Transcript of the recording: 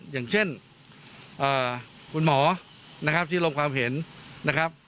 อย่างเช่นคุณหมอนะครับที่ลงความเห็นนะครับ